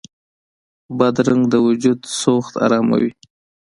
بادرنګ د وجود سوخت اراموي.